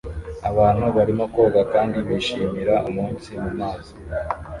Abantu barimo koga kandi bishimira umunsi mumazi